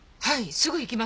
すぐ行きます。